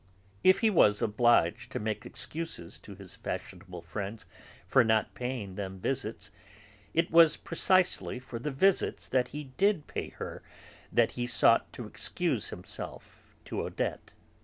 If he was obliged to make excuses to his fashionable friends for not paying them visits, it was precisely for the visits that he did pay her that he sought to excuse himself to Odette.